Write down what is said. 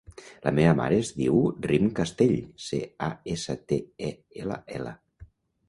La meva mare es diu Rym Castell: ce, a, essa, te, e, ela, ela.